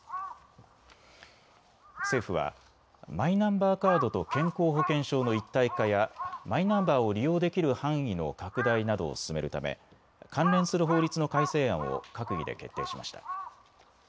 政府はマイナンバーカードと健康保険証の一体化やマイナンバーを利用できる範囲の拡大などを進めるため関連する法律の改正案を閣議で決定しました。